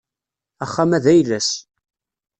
Axxam-a d ayla-s.